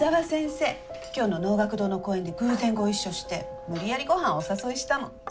今日の能楽堂の公演で偶然ご一緒して無理やりごはんお誘いしたの。